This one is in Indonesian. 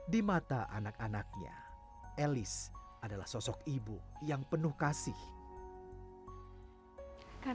di mata anak anaknya elis adalah sosok ibu yang penuh kasih